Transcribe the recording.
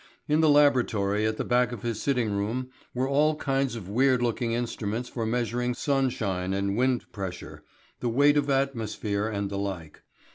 In the laboratory at the back of his sitting room were all kinds of weird looking instruments for measuring sunshine and wind pressure, the weight of atmosphere and the like.